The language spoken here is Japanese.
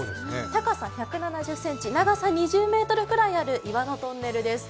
高さ１７０ｃｍ長さ２０ｍくらいある岩のトンネルです。